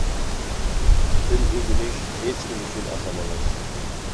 تىل ئۆگىنىش ھېچكىم ئۈچۈن ئاسان ئەمەس.